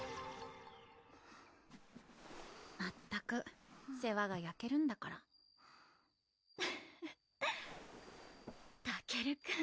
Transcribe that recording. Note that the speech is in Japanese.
まったく世話がやけるんだからフフたけるくん